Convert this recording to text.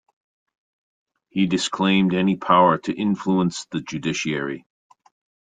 He disclaimed any power to influence the judiciary.